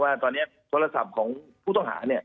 ว่าตอนนี้โทรศัพท์ของผู้ต้องหาเนี่ย